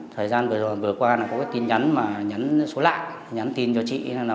thời gian vừa qua là có tin nhắn mà nhắn số lạ nhắn tin cho chị